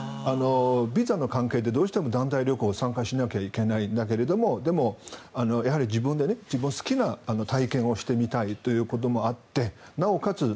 ビザの関係で、どうしても団体旅行参加しなきゃいけないんだけどもでも、やはり自分で自分が好きな体験をしてみたいということもあってなおかつ